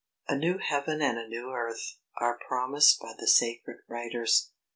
A new heaven and a new earth are promised by the sacred writers.